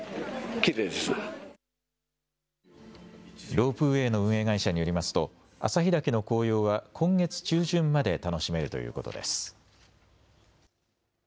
ロープウエーの運営会社によりますと、旭岳の紅葉は、今月中旬まで楽しめるということです。